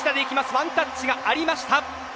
ワンタッチがありました。